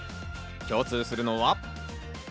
共通するのは。